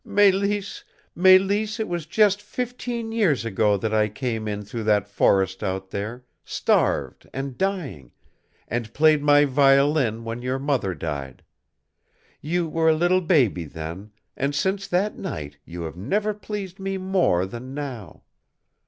"Mélisse, Mélisse, it was just fifteen years ago that I came in through that forest out there, starved and dying, and played my violin when your mother died. You were a little baby then, and since that night you have never pleased me more than now!"